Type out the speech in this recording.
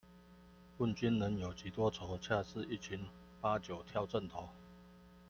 問君能有幾多愁，恰似一群八九跳陣頭